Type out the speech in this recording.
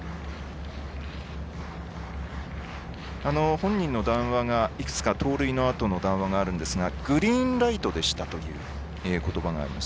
本人の談話がいくつか盗塁のあとの談話があるんですがグリーンライトでしたということばがあります。